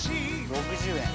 ６０円。